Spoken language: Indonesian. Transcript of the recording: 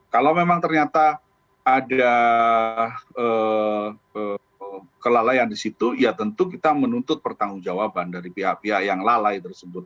kalau memang ternyata ada kelalaian di situ ya tentu kita menuntut pertanggung jawaban dari pihak pihak yang lalai tersebut